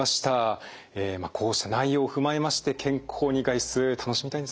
こうした内容を踏まえまして健康に外出楽しみたいですね。